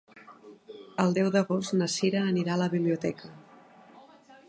El deu d'agost na Sira anirà a la biblioteca.